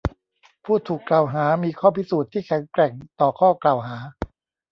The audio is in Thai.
ผู้ถูกกล่าวหามีข้อพิสูจน์ที่แข็งแกร่งต่อข้อกล่าวหา